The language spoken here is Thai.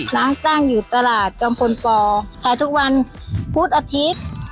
น้ำสร้างอยู่ตลาดจำฝนฟอร์ใช้ทุกวันพุธอาทิตย์